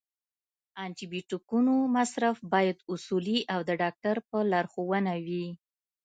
د انټي بیوټیکونو مصرف باید اصولي او د ډاکټر په لارښوونه وي.